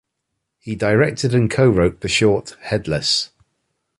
He directed and co-wrote the short, Headless!